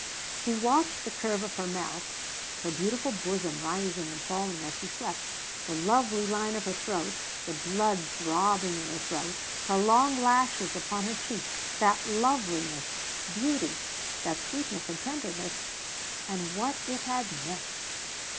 He watched the curve of her mouth. Her beautiful bosom rising and falling as she slept. The lovely line of her throat, the blood throbbing in her throat, her long lashes upon her cheek, that loveliness beauty that sweetness and tenderness and what it had met.